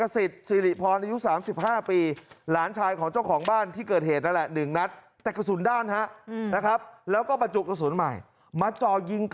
ศีรษะนายเอกกระสิทธิ์